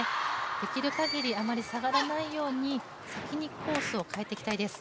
できるかぎりあまり下がらないように、先にコースを変えていきたいです。